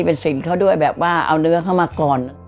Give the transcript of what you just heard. เป็นสินเขาด้วยแบบว่าเอาเนื้อเข้ามาก่อน